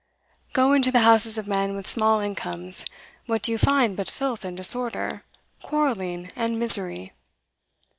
Go into the houses of men with small incomes; what do you find but filth and disorder, quarrelling and misery?